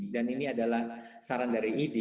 dan ini adalah saran dari id